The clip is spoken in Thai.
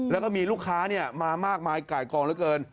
แล้วก็มีลูกค้ามามากมายไก่กองเหลือเกิน